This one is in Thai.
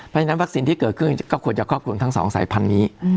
เพราะฉะนั้นวัคซีนที่เกิดขึ้นก็ควรจะครอบคลุมทั้ง๒สายพันธุ์นี้